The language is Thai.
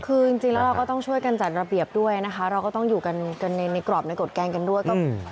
คือจริงแล้วเราก็ต้องช่วยกันจัดระเบียบด้วยนะคะเราก็ต้องอยู่กันในกรอบในกฎแกล้งกันด้วย